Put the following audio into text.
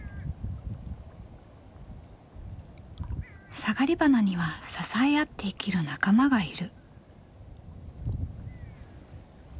サガリバナには支え合って生きる仲間がいる。